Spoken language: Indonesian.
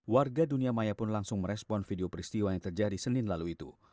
warga dunia maya pun langsung merespon video peristiwa yang terjadi senin lalu itu